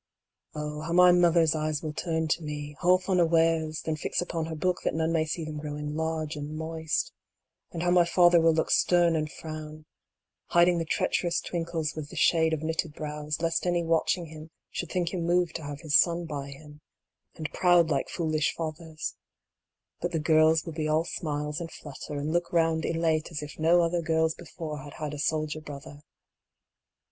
Oh, how my mother's eyes will turn to me, half unawares, then fix upon her book that none may see them growing large and moist ; and how my father will look stern and frown, hiding the treacherous twinkles with the shade of knitted brows, lest any watching him 7 98 COMING HOME, should think him moved to have his son by him, and proud like foolish fathers; but the girls will be all smiles and flutter, and look round elate as if no other girls before had had a soldier brother.